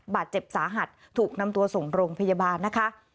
บาดเจ็บสาหัสถูกนำตัวส่งโรงพยาบาลนะคะ